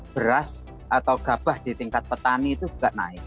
beras atau gabah di tingkat petani itu juga naik